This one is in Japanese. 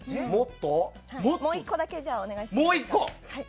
もう１個だけお願いします。